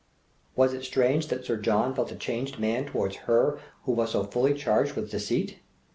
Was it strange that Sir John felt a changed man towards her who was so fully charged with deceit?